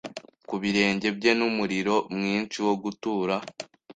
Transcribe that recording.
kubirenge byeNumuriro mwinshi wo gutura